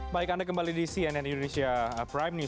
baik anda kembali di cnn indonesia prime news